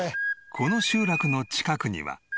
この集落の近くには。